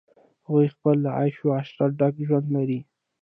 هغوی خپله له عیش و عشرته ډک ژوند لري.